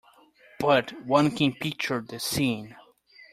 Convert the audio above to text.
But one can picture the scene.